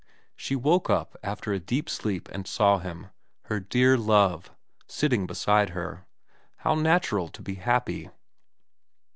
She woke up after a deep sleep and saw him, her dear love, sitting beside her. How natural to be happy.